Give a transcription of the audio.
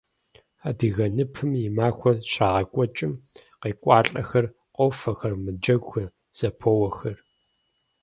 Адыгэ ныпым и махуэр щрагъэкӏуэкӏым къекӏуэлӏахэр къофэхэр, мэджэгухэр, зэпоуэхэр.